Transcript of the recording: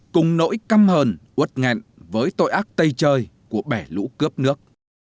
cùng nỗi căm hờn uất nghẹn với tội ác tây trời của bẻ lũ cướp nước